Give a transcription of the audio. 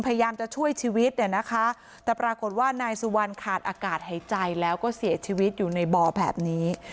พยายามจะช่วยชีวิตเนี่ยนะคะแต่ปรากฏว่านายสุวรรณขาดอากาศหายใจแล้วก็เสียชีวิตอยู่ในบ่อแบบนี้